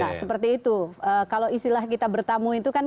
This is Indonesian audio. ya seperti itu kalau istilah kita bertamu itu kan